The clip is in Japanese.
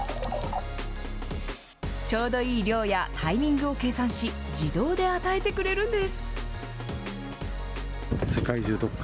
ちょうどいい量やタイミングを計算し、自動で与えてくれるんです。